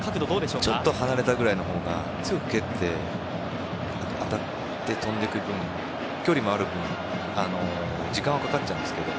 ちょっと離れたぐらいのほうが強く蹴って、当たって飛んでいく分、距離もある分時間はかかっちゃうんですけど。